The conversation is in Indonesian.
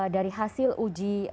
dari hasil uji